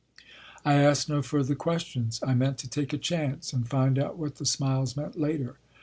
I asked no further questions. I meant to take a chance and find out what the smiles meant later.